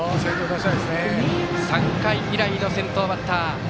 ３回以来の先頭バッター。